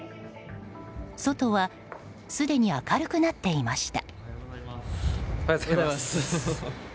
外はすでに明るくなっていました。